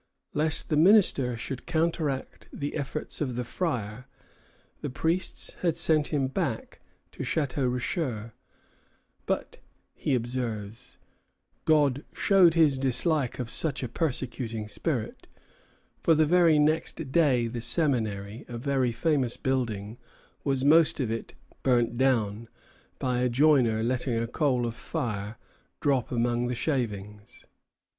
Lest the minister should counteract the efforts of the friar, the priests had him sent back to Château Richer; "but," he observes, "God showed his dislike of such a persecuting spirit; for the very next day the Seminary, a very famous building, was most of it burnt down, by a joiner letting a coal of fire drop among the shavings."